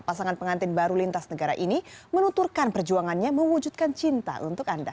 pasangan pengantin baru lintas negara ini menuturkan perjuangannya mewujudkan cinta untuk anda